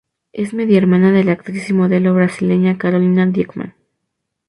Es media hermana de la actriz y modelo brasileña Carolina Dieckmann.